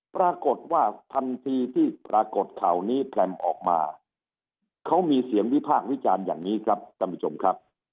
ปรากฏว่าทันทีที่ปรากฏข่าวนี้แพร่มออกมาเขามีเสียงวิพากษ์วิจารณ์อย่างนี้ครับท่านผู้ชมครับ